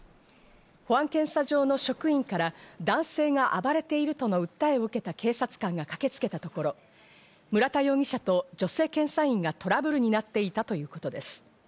保安検査場の職員から男性が暴れているとの訴えを受けた警察官が駆けつけたところ村田容疑者と女性検査員がトラブルになっていたということです。